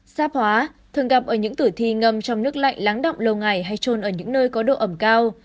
sap hóa thường gặp ở những tử thi ngâm trong nước lạnh láng động lâu ngày hay trôn ở những nơi có độ ẩm cao